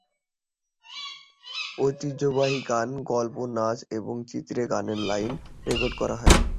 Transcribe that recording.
ঐতিহ্যবাহী গান, গল্প, নাচ, এবং চিত্রে গানের লাইন রেকর্ড করা হয়।